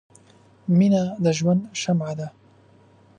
• مینه د ژوند شمعه ده.